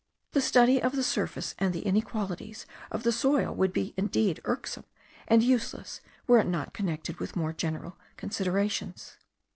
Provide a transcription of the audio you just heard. The study of the surface and the inequalities of the soil would indeed be irksome and useless were it not connected with more general considerations.